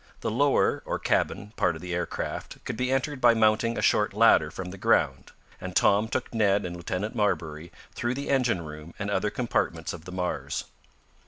The lower, or cabin, part of the aircraft could be entered by mounting a short ladder from the ground, and Tom took Ned and Lieutenant Marbury through the engine room and other compartments of the Mars.